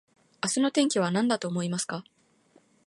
明日の天気はなんだと思いますか